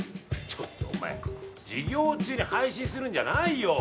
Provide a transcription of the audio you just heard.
ちょっとお前授業中に配信するんじゃないよ！